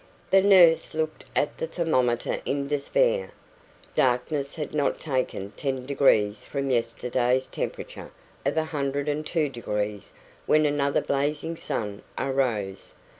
The nurse looked at the thermometer in despair. Darkness had not taken 10 degrees from yesterday's temperature of 102 degrees when another blazing sun arose.